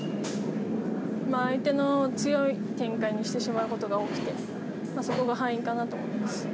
相手の強い展開にしてしまうことが多くてそこが敗因かなと思います。